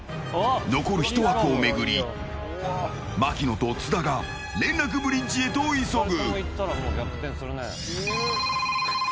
残る１枠を巡り、槙野と津田が連絡ブリッジへと急ぐ。